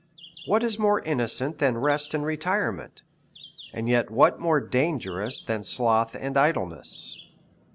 What is more innocent than rest and retirement, and yet what more dangerous than sloth and idleness?